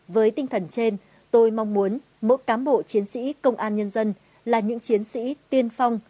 với tinh thần trên tôi mong muốn mỗi cám bộ chiến sĩ công an nhân dân là những chiến sĩ tiên phong